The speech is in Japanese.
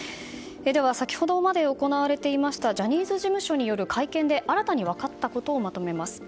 先ほどまで行われていましたジャニーズ事務所による会見で新たに分かったことをまとめます。